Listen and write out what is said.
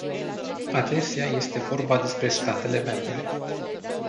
Adesea este vorba despre statele membre.